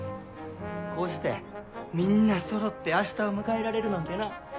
こうしてみんなそろって明日を迎えられるなんてな。